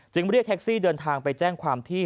เรียกแท็กซี่เดินทางไปแจ้งความที่